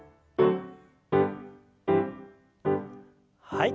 はい。